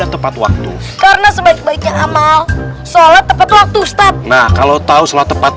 dan tepat waktu karena sebaik baiknya amal sholat tepat waktu ustadz nah kalau tahu sholat tepat